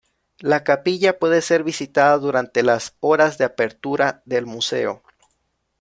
La capilla puede ser visitada durante las horas de apertura del museo.